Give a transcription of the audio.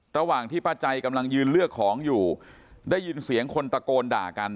ระหว่างที่ป้าใจกำลังยืนเลือกของอยู่ได้ยินเสียงคนตะโกนด่ากัน